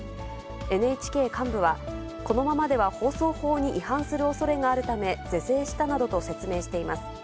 ＮＨＫ幹部は、このままでは放送法に違反するおそれがあるため、是正したなどと説明しています。